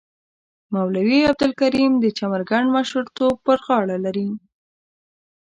مولوی عبدالکریم د چمرکنډ مشرتوب پر غاړه لري.